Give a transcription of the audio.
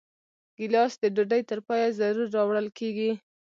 ګیلاس د ډوډۍ تر پایه ضرور راوړل کېږي.